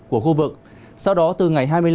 của khu vực sau đó từ ngày hai mươi năm